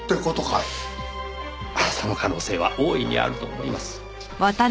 その可能性は大いにあると思います。